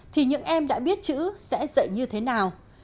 thì những em đã biết chữ sẽ dạy như thế nào